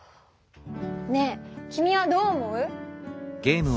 ねえ君はどう思う？